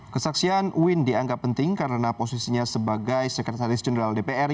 kesaksian uin dianggap penting karena posisinya sebagai sekretaris jenderal dpr